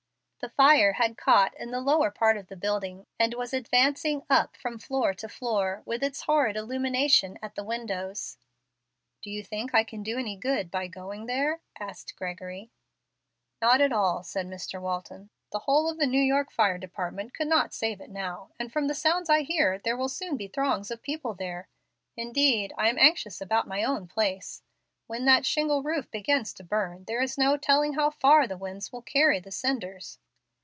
The fire had caught in the lower part of the building, and was advancing up from floor to floor with its horrid illumination at the windows. "Do you think I can do any good by going there?" asked Gregory. "Not at all," said Mr. Walton. "The whole of the New York Fire Department could not save it now; and from the sounds I hear, there will soon be throngs of people there. Indeed, I am anxious about my own place. When that shingle roof begins to burn there is no telling how far the wind will carry the cinders."